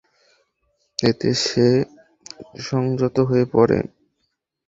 এতে সে সংযত হয়ে পড়ে।